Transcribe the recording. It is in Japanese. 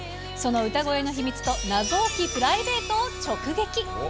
その歌声の秘密と、謎多きプライベートを直撃。